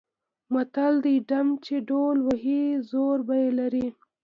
متل دی: ډم چې ډول وهي زور به یې لري.